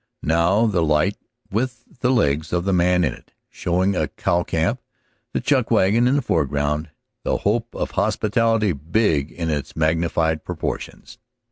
Now the light, with the legs of the man in it, showing a cow camp, the chuck wagon in the foreground, the hope of hospitality big in its magnified proportions.